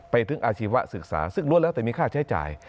ไปถึงอาชีวศึกษาซึ่งล้วนแล้วแต่มีค่าใช้จ่าย